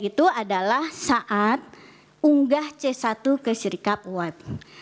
itu adalah saat unggah c satu ke serikat web